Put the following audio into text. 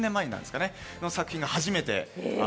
その作品が初めて。